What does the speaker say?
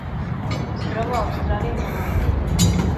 Es troba a Austràlia i Nova Guinea.